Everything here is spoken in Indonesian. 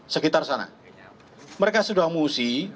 sekitar sana mereka sudah mengungsi